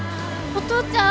お父ちゃん！